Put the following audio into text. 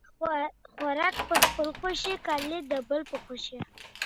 ¬ خورک په خپله خوښه، کالي د بل په خوښه.